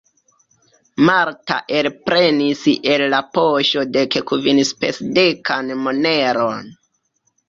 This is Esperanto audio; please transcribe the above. Marta elprenis el la poŝo dekkvinspesdekan moneron.